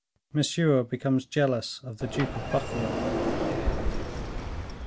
Monsieur Becomes Jealous of the Duke of Buckingham.